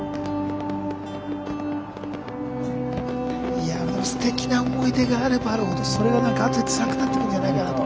いやもうすてきな思い出があればあるほどそれが何か後でつらくなってくんじゃないかなと。